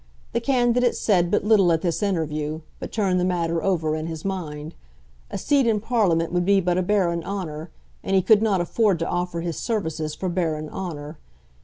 The candidate said but little at this interview, but turned the matter over in his mind. A seat in Parliament would be but a barren honour, and he could not afford to offer his services for barren honour.